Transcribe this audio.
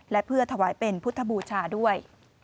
และเพื่อถวายเป็นพุทธบูชาด้วย